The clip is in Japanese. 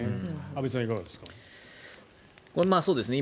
安部さん、いかがですか。